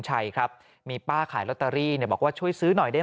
ชัยครับมีป้าขายลอตเตอรี่เนี่ยบอกว่าช่วยซื้อหน่อยได้